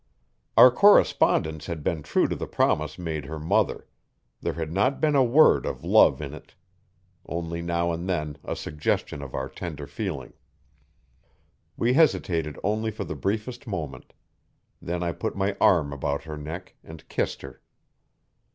Our correspondence had been true to the promise made her mother there had not been a word of love in it only now and then a suggestion of our tender feeling. We hesitated only for the briefest moment. Then I put my arm about her neck and kissed her.